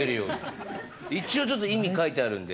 一応ちょっと意味書いてあるんで。